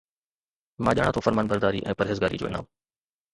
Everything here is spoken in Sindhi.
مان ڄاڻان ٿو فرمانبرداري ۽ پرهيزگاري جو انعام